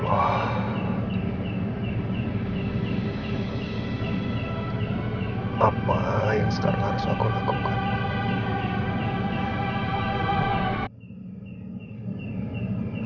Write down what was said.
apa yang sekarang harus aku lakukan